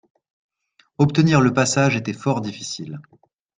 Obtenir le passage était fort difficile.